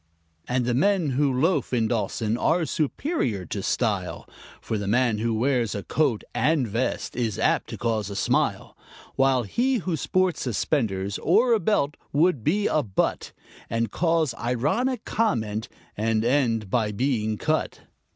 And the men who loaf in Dawson are superior to style, For the man who wears a coat and vest is apt to cause a smile; While he who sports suspenders or a belt would be a butt, And cause ironic comment, and end by being cut.